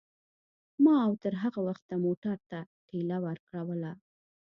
ما او تر هغه وخته موټر ته ټېله ورکوله.